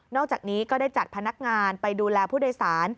อกจากนี้ก็ได้จัดพนักงานไปดูแลผู้โดยสาร